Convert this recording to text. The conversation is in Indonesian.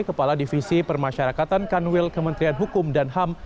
kepala divisi permasyarakatan kanwil kementerian hukum dan ham